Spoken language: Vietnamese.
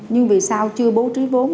nhưng vì sao chưa bố trí vốn